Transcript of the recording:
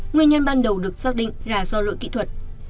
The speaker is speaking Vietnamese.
nguyên nhân ban đầu được xác định là do lỗi kỹ thuật